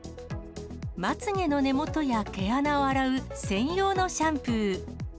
まつげの根元や毛穴を洗う専用のシャンプー。